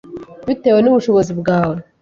bitewe n’ubushobozi bwawe.